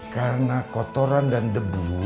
karena kotoran dan debu